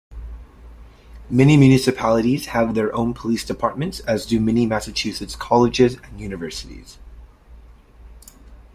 Many municipalities have their own police departments, as do many Massachusetts colleges and universities.